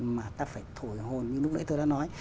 mà ta phải thổi hồn như lúc nãy tôi đã nói